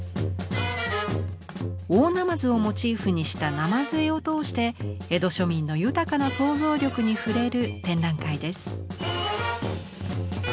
大鯰をモチーフにした「鯰絵」を通して江戸庶民の豊かな想像力に触れる展覧会です。